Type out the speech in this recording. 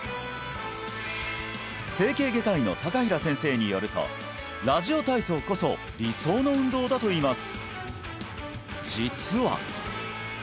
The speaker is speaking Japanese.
整形外科医の高平先生によるとラジオ体操こそ理想の運動だといいます